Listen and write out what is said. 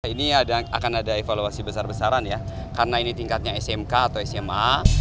ini akan ada evaluasi besar besaran ya karena ini tingkatnya smk atau sma